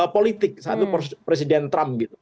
politik saat itu presiden trump gitu